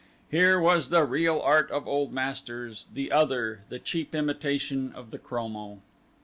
Here was the real art of old masters, the other the cheap imitation of the chromo.